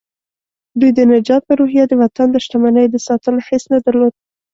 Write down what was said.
دوی د نجات په روحيه د وطن د شتمنيو د ساتلو حس نه درلود.